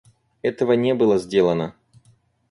Этого не было сделано.